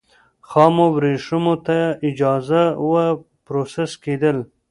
خامو ورېښمو ته اجازه وه پروسس کېدل.